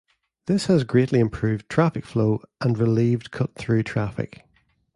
This has greatly improved traffic flow and relieved cut through traffic.